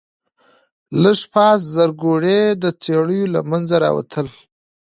لږ پاس زرکوړي د څېړيو له منځه راووتل.